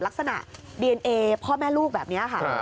ลักษณะดีเอนเอพ่อแม่ลูกแบบนี้ค่ะ